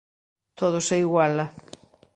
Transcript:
Todo se iguala.